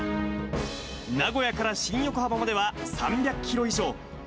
名古屋から新横浜までは３００キロ以上。